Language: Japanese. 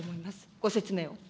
ご説明を。